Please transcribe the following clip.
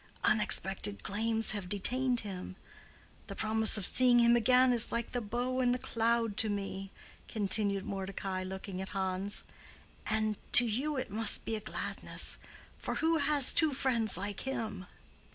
Unexpected claims have detained him. The promise of seeing him again is like the bow in the cloud to me," continued Mordecai, looking at Hans; "and to you it must be a gladness. For who has two friends like him?"